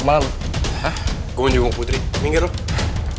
gue mau nyugung putri minggir lu